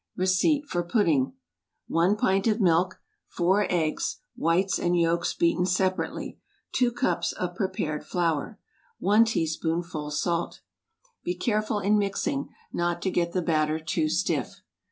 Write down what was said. Receipt for Pudding. 1 pint of milk. 4 eggs, whites and yolks beaten separately. 2 cups of prepared flour. 1 teaspoonful salt. Be careful, in mixing, not to get the batter too stiff.